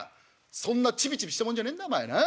そんなチビチビしたもんじゃねえんだお前な。